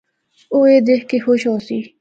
او اے دکھ کے خوش ہوسی۔